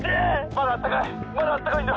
まだあったかいんだ！